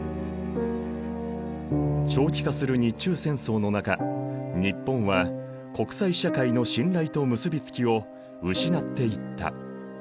長期化する日中戦争の中日本は国際社会の信頼と結び付きを失っていった。